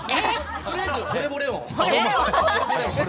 とりあえずほれぼレオン。